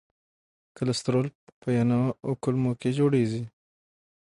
کلسترول په ینه او کولمو کې جوړېږي.